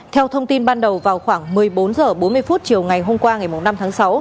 theo thông tin ban đầu vào khoảng một mươi bốn h bốn mươi chiều ngày hôm qua ngày năm tháng sáu